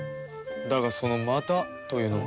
だがその「また」というのは？